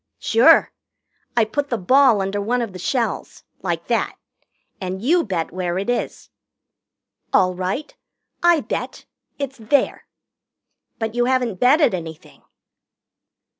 "Sure. I put the ball under one of the shells like that and you bet where it is." "All right. I bet. It's there." "But you haven't betted anything."